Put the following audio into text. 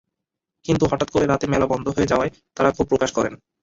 কিন্তু হঠাৎ করে রাতে মেলা বন্ধ হয়ে যাওয়ায় তাঁরা ক্ষোভ প্রকাশ করেন।